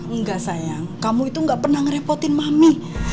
enggak sayang kamu itu gak pernah ngerepotin mami